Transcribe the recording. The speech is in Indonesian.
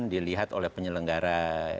dilihat oleh penyelenggara